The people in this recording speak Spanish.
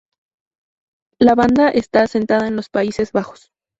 La banda esta asentada en los Países Bajos.